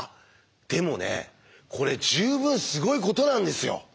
でもねこれ十分すごいことなんですよ。